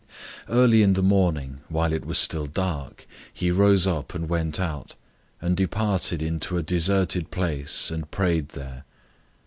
001:035 Early in the morning, while it was still dark, he rose up and went out, and departed into a deserted place, and prayed there.